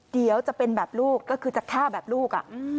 เดี๋ยวจะเป็นแบบลูกก็คือจะฆ่าแบบลูก